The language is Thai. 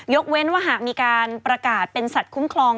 เว้นว่าหากมีการประกาศเป็นสัตว์คุ้มครอง